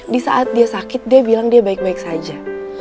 di saat dia sakit dia bilang dia baik baik saja